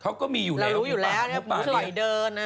เขาก็มีอยู่แล้วหมูป่าหมูป่าเนี่ยเรารู้อยู่แล้วมูเซอร์หล่อยเดิน